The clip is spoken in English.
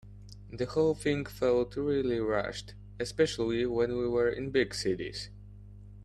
The whole thing felt really rushed, especially when we were in big cities.